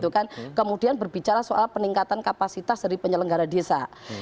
kemudian berbicara soal peningkatan kapasitas dari penyelenggara desa